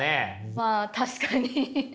まあ確かに。